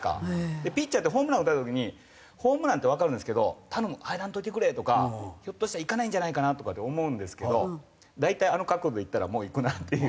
ピッチャーってホームランを打たれた時にホームランってわかるんですけど「頼む入らんといてくれ」とか「ひょっとしたらいかないんじゃないかな」とかって思うんですけど大体あの角度でいったら「もういくなあ」っていう。